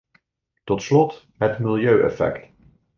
Tot slot het milieueffect.